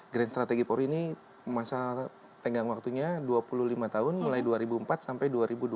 grand strategy pori ini masa tenggang waktunya dua puluh lima tahun mulai dua ribu empat sampai dua ribu dua puluh